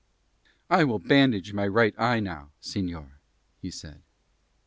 "I will bandage my right eye now, señor," he said.